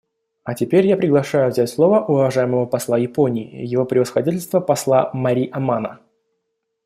А теперь я приглашаю взять слово уважаемого посла Японии — Его Превосходительство посла Мари Амано.